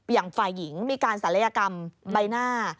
อย่างฝ่ายหญิงมีการศัลยกรรมใบหน้า